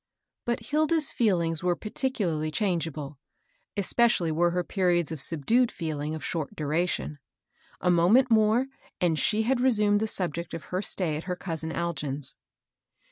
But Hilda's feelings werfe particularly change able ; especially were her periods of subdued feel ing of short duration. A moment more, and she had resumed the subject of her stay at her cousin Algin's.